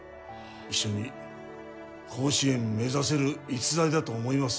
一緒に甲子園目指せる逸材だと思います